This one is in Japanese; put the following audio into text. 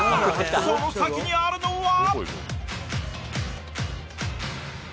その先にあるのは。